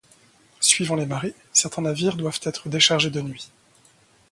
Suivant les marées, certains navires doivent être déchargés de nuit.